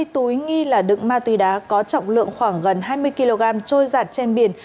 hai mươi túi nghi là đựng ma túy đá có trọng lượng khoảng gần hai mươi kg trôi giạt trên biển